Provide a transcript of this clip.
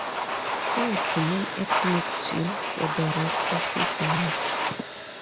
He would remain at McGill for the rest of his life.